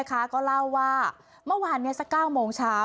ก็เล่าว่าเมื่อวานนี้สัก๙โมงเช้า